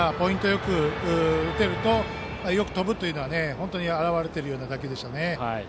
よく打てるとよく飛ぶというのが表れているような打球でした。